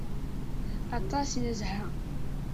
Aṭas i nezha.